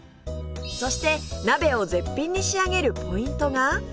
そして鍋を絶品に仕上げるポイントが